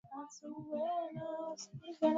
mibaya ya wazazi huchangia pia tatizo hilo